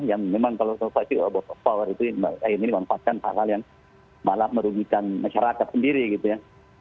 yang memang kalau sensasi power itu ini dimanfaatkan hal hal yang malah merugikan masyarakat sendiri gitu ya